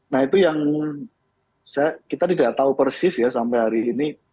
nah itu yang kita tidak tahu persis ya sampai hari ini